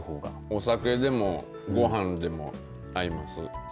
お酒でもごはんでも合います。